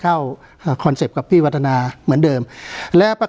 การแสดงความคิดเห็น